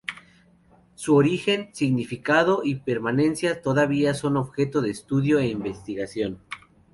Su origen, significado y permanencia todavía son objeto de estudio e investigación.